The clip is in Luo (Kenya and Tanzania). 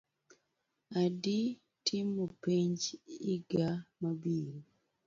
Adii timo penj iga mabiro.